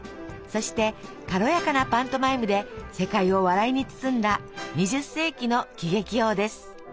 そして軽やかなパントマイムで世界を笑いに包んだ２０世紀の喜劇王です。